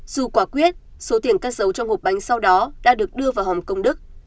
dù quả quyết số tiền cất giấu trong hộp bánh sau đó đã được đưa vào hồng công đức